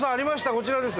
こちらです。